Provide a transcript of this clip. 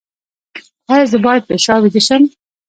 ایا زه باید په شا ویده شم؟